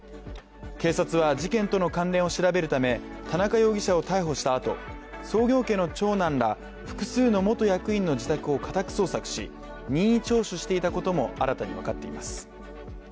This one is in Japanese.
警察は事件との関連を調べるため田中容疑者を逮捕したあと、創業家の長男ら、複数の元役員の自宅を家宅捜索し任意聴取していたことも新たに分かっています。